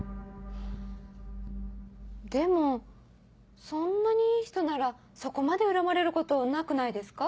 でもそんなにいい人ならそこまで恨まれることなくないですか？